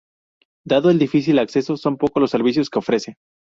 Dado el difícil acceso, son pocos los servicios que ofrece.